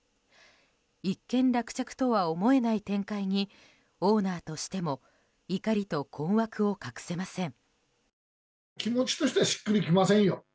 一件落着とは思えない展開にオーナーとしても怒りと困惑を隠せません。